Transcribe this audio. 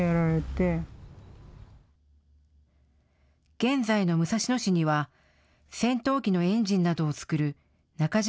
現在の武蔵野市には戦闘機のエンジンなどを作る中島